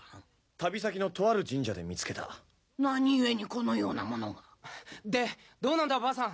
旅先のとある神社で見つけた何ゆえにこのようなものがでどうなんだ婆さん